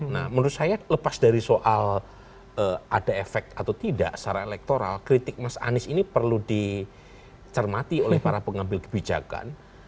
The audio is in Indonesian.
nah menurut saya lepas dari soal ada efek atau tidak secara elektoral kritik mas anies ini perlu dicermati oleh para pengambil kebijakan